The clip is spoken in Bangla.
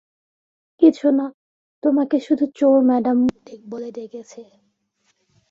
কিছু না, তোমাকে শুধু চোর ম্যাডাম বলে ডেকেছে!